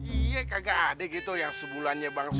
iya kagak ada gitu yang sebulannya bang seratus